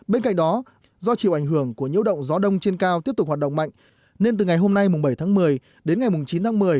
bên cạnh đó do chịu ảnh hưởng của nhiễu động gió đông trên cao tiếp tục hoạt động mạnh nên từ ngày hôm nay bảy tháng một mươi đến ngày chín tháng một mươi